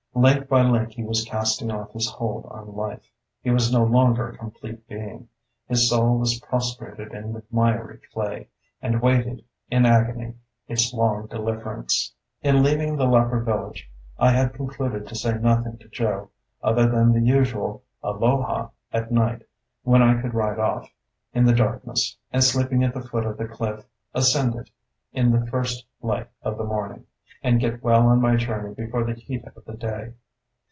Link by link he was casting off his hold on life; he was no longer a complete being; his soul was prostrated in the miry clay, and waited, in agony, its long deliverance. In leaving the leper village, I had concluded to say nothing to Joe, other than the usual "aloha" at night, when I could ride off, in the darkness, and, sleeping at the foot of the cliff, ascend it in the first light of the morning, and get well on my journey before the heat of the day.